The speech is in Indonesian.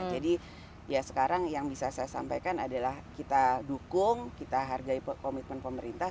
jadi ya sekarang yang bisa saya sampaikan adalah kita dukung kita hargai komitmen pemerintah